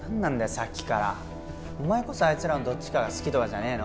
さっきからお前こそあいつらのどっちかが好きとかじゃねえの？